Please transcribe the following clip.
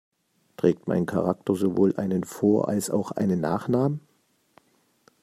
Trägt mein Charakter sowohl einen Vor- als auch einen Nachnamen?